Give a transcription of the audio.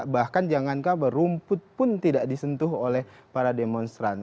bahkan jangankah pun rumput tidak disentuh oleh para demonstran